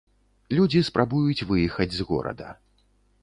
Людзі спрабуюць выехаць з горада.